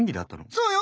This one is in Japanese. そうよ。